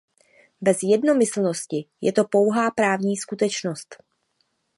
Bez jednomyslnosti je to pouhá právní skutečnost.